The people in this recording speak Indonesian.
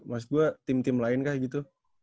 maksud gue tim tim lain kah gitu